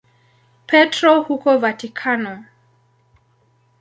Petro huko Vatikano.